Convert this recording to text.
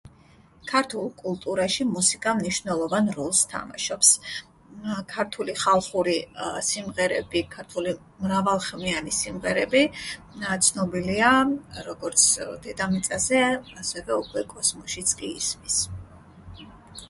ქართულ კულტურაში მუსიკა მნიშვნელოვან როლს თამაშობს. მმმ... ქართული ხალხური სიმღერები, ქართული მრავალხმიანი სიმღერები.. მმმ... ცნობილია როგორც დედამიწაზე, ასევე კოსმოსშიც კი ისმის.